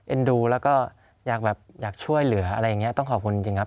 ดูแล้วก็อยากแบบอยากช่วยเหลืออะไรอย่างนี้ต้องขอบคุณจริงครับ